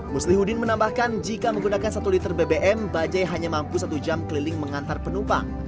muslih hudin menambahkan jika menggunakan satu liter bbm bajai hanya mampu satu jam keliling mengantar penumpang